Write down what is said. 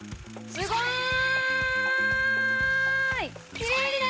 すごーい！